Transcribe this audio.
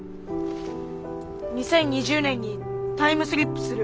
２０２０年にタイムスリップする。